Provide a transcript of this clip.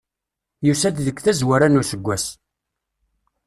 Yusa-d deg tazwara n useggas.